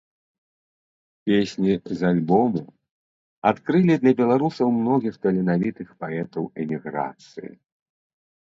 Песні з альбому адкрылі для беларусаў многіх таленавітых паэтаў эміграцыі.